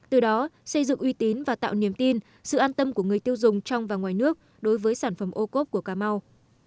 từ đó xây dựng uy tín và tạo niềm tin sự an tâm của người tiêu dùng trong và ngoài nước đối với sản phẩm ô cốp của cà mau